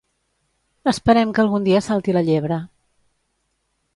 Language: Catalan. Esperem que algun dia salti la llebre.